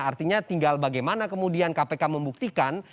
artinya tinggal bagaimana kemudian kpk membuktikan